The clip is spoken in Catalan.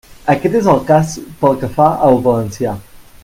Aquest és el cas pel que fa al valencià.